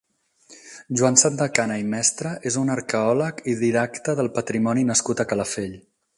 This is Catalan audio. Joan Santacana i Mestre és un arqueòleg i didacta del patrimoni nascut a Calafell.